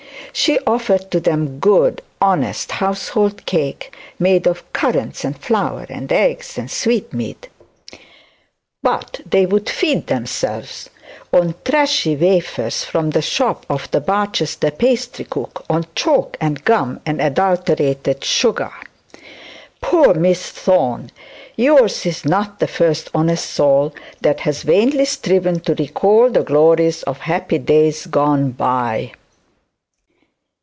She offered to them good honest household cake, made of currants and flour and eggs and sweetmeat; but they would feed themselves on trashy wafers from the shop of the Barchester pastry cook, on chalk and gum and adulterated sugar. Poor Miss Thorne! yours is not the first honest soul that has vainly striven to recall the glories of happy days gone by!